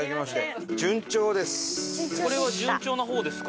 これは順調な方ですか？